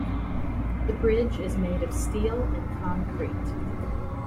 The bridge is made of steel and concrete.